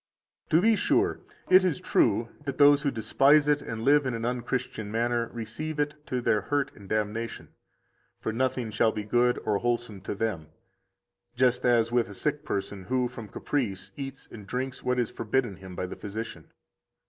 69 To be sure, it is true that those who despise it and live in an unchristian manner receive it to their hurt and damnation; for nothing shall be good or wholesome to them, just as with a sick person who from caprice eats and drinks what is forbidden him by the physician.